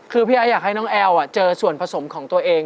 คือพี่ไอ้อยากให้น้องแอลเจอส่วนผสมของตัวเอง